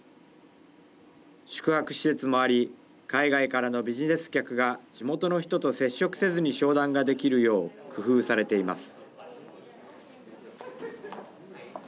宿泊施設もあり、海外からのビジネス客が地元の人と接触せずに商談ができるよう工夫されています。